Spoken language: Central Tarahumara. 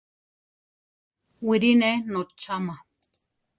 Wiʼri ne notzama.